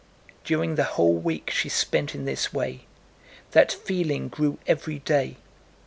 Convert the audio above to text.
During the whole week she spent in this way, that feeling grew every day.